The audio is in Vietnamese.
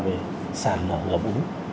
về sản lợi ngập ú